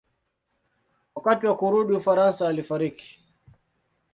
Wakati wa kurudi Ufaransa alifariki.